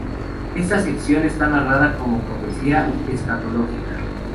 Esta sección está narrada como profecía escatológica.